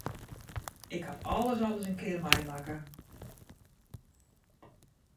Ik haw alles al ris in kear meimakke.